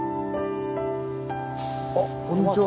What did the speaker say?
あっこんにちは。